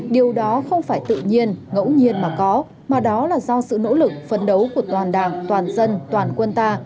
điều đó không phải tự nhiên ngẫu nhiên mà có mà đó là do sự nỗ lực phấn đấu của toàn đảng toàn dân toàn quân ta